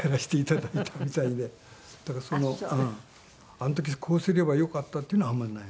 あの時こうすればよかったっていうのはあんまりない。